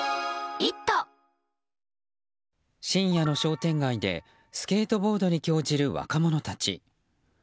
深夜の商店街でスケートボードに興じる若者たち。